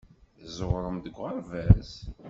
Tẓewrem deg uɣerbaz.